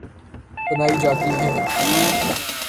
بنائے جاتے ہیں